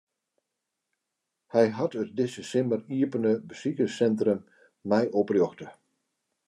Hy hat it dizze simmer iepene besikerssintrum mei oprjochte.